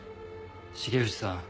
重藤さん